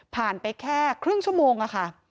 ไปแค่ครึ่งชั่วโมงค่ะ